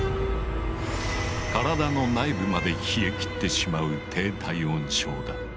体の内部まで冷えきってしまう低体温症だ。